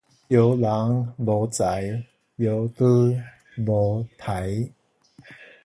搖人無才，搖豬無刣